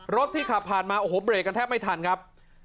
รถที่ขับผ่านมาโอ้โหเบรกกันแทบไม่ทันครับ